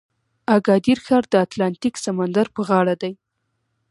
اګادیر ښار د اتلانتیک سمندر په غاړه دی.